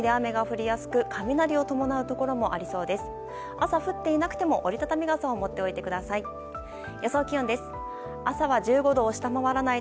朝降っていなくても折り畳み傘を持っておいてください。